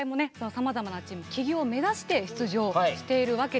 さまざまなチーム起業めざして出場しているわけです。